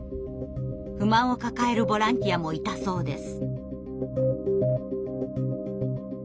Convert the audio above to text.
不満を抱えるボランティアもいたそうです。